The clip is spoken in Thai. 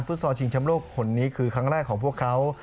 ซอลชิงชำโลกคนนี้คือครั้งแรกของพวกเขา